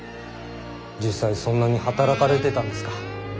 実際そんなに働かれてたんですか？